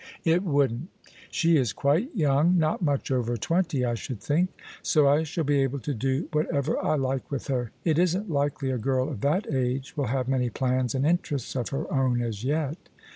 " It wouldn't. She is quite young — ^not much over twenty I should think: so I shall be able to do whatever I like with her. It isn't likely a girl of that age will have many plans and interests of her own as yet."